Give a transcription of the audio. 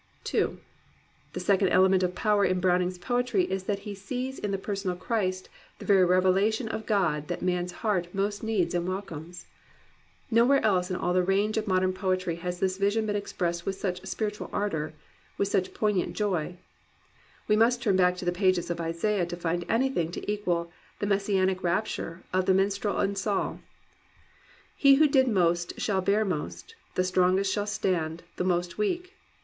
2. The second element of power in Browning's poetry is that he sees in the personal Christ the very revelation of God that man's heart most needs and welcomes. Nowhere else in all the range of modern poetry has this vision been expressed with such spiritual ardoiu*, with such poignant joy. We must turn back to the pages of Isaiah to find any thing to equal the Messianic rapture of the minstrel in Said. He who did most shall bear most; the strongest shall stand the most weak.